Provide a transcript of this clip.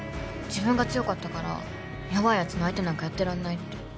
自分が強かったから弱い奴の相手なんかやってらんないって。